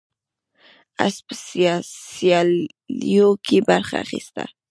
اس په سیالیو کې برخه اخیسته.